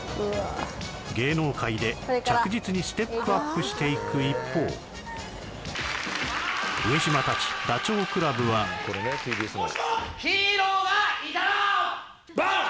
芸能界で着実にステップアップしていく一方上島たちダチョウ倶楽部はもしもヒーローがいたらバン！